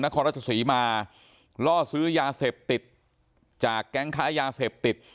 ครราชศรีมาล่อซื้อยาเสพติดจากแก๊งค้ายาเสพติด